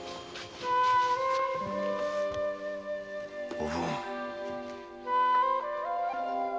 おぶん。